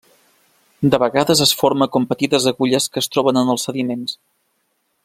De vegades es forma com petites agulles que es troben en els sediments.